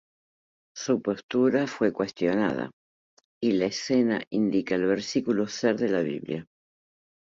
Su postura fue cuestionada, y la escena indica el versículo ser de la Biblia.